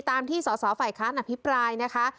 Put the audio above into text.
ตามที่สอสอฝ่ายค้านอภิปรายนะคะ